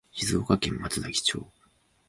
静岡県松崎町